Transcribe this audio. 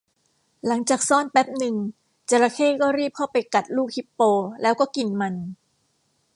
หลังจากซ่อนแป๊บนึง จระเข้ก็รีบเข้าไปกัดลูกฮิปโปแล้วก็กินมัน